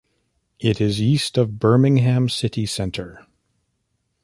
It is east of Birmingham City Centre.